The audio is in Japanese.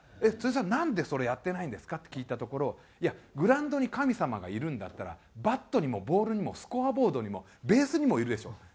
「辻さんなんでそれやってないんですか？」って聞いたところ「いやグラウンドに神様がいるんだったらバットにもボールにもスコアボードにもベースにもいるでしょ」。